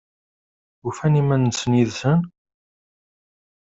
Ufan iman-nsen yid-sen?